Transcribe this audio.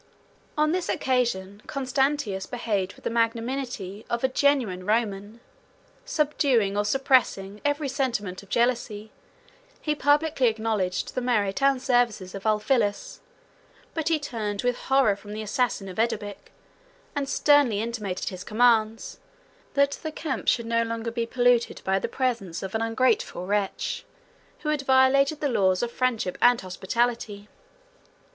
On this occasion, Constantius behaved with the magnanimity of a genuine Roman. Subduing, or suppressing, every sentiment of jealousy, he publicly acknowledged the merit and services of Ulphilas; but he turned with horror from the assassin of Edobic; and sternly intimated his commands, that the camp should no longer be polluted by the presence of an ungrateful wretch, who had violated the laws of friendship and hospitality.